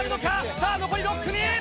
さあ、残り６組。